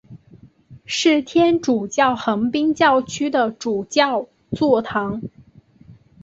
是天主教横滨教区的主教座堂。